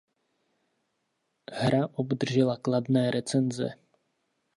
Hra obdržela kladné recenze.